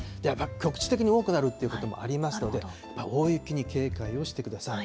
局地的に多くなるということもありますので、大雪に警戒をしてください。